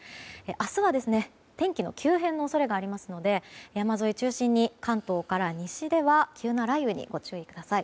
明日は天気の急変の恐れがありますので山沿い中心に関東から西では急な雷雨にご注意ください。